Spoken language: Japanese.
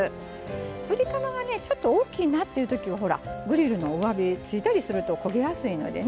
ぶりカマがねちょっと大きいなっていうときはほらグリルの上火付いたりすると焦げやすいのでね